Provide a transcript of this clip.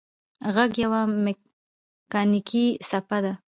غږ یوه مکانیکي څپه ده.